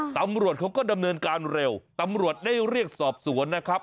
ตำรวจเขาก็ดำเนินการเร็วตำรวจได้เรียกสอบสวนนะครับ